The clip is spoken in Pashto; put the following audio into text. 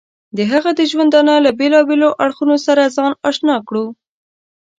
د هغه د ژوندانه له بېلابېلو اړخونو سره ځان اشنا کړو.